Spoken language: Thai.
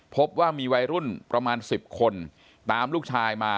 พบว่ามีวัยรุ่นประมาณ๑๐คนตามลูกชายมา